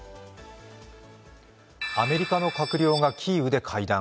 アメリカの閣僚がキーウで会談。